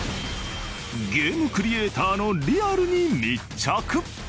ゲームクリエイターのリアルに密着。